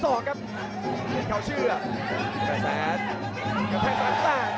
โดนจับข้างขาวซ้ายครับ